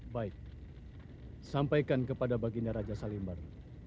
baik sampaikan kepada baginda raja salimbar